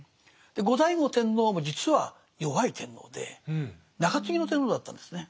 後醍醐天皇も実は弱い天皇で中継ぎの天皇だったんですね。